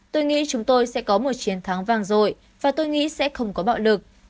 tôi nghĩ chúng tôi sẽ có một chiến thắng vang dội và tôi nghĩ sẽ không có bạo lực